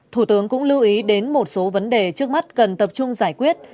thủ tướng cũng lưu ý đến một số vấn đề trước mắt cần tập trung giải quyết